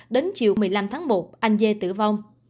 đến chiều một mươi năm tháng một anh dê tử vong